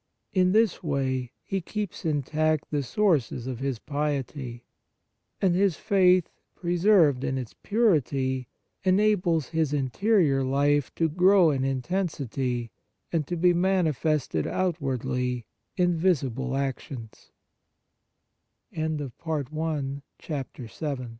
In this way, he keeps intact the source of his piety; and his faith, preserved in its purity, enables his interior life to grow in intensity, and to be manifested outwardly in vis